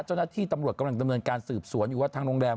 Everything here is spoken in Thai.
เจ้าหน้าที่ตำรวจกำลังดำเนินการสืบสวนอยู่ว่าทางโรงแรม